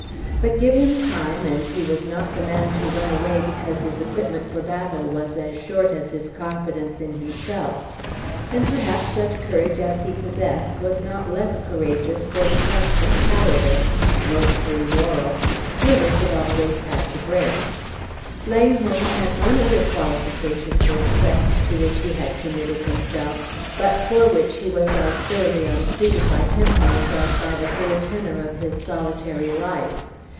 But give him time, and he was not the man to run away because his equipment for battle was as short as his confidence in himself; and perhaps such courage as he possessed was not less courageous for the crust of cowardice (mostly moral) through which it always had to break. Langholm had one other qualification for the quest to which he had committed himself, but for which he was as thoroughly unsuited by temperament as by the whole tenor of his solitary life.